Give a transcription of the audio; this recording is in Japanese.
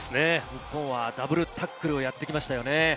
日本はダブルタックルをやってきましたよね。